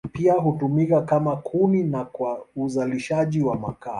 Pia hutumika kama kuni na kwa uzalishaji wa makaa.